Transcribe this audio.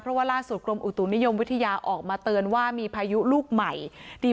เพราะว่าล่าสุดกรมอุตุนิยมวิทยาออกมาเตือนว่ามีพายุลูกใหม่